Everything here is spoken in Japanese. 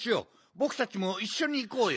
ぼくたちもいっしょにいこうよ。